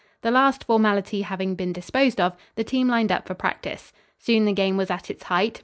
This last formality having been disposed of, the team lined up for practice. Soon the game was at its height.